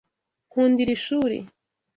Nkunda iri shuri